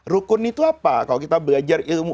rukun itu apa kalau kita belajar ilmu